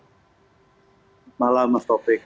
selamat malam mas taufik